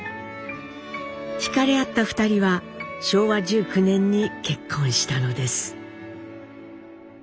ひかれ合った２人は昭和１９年に結婚したのです。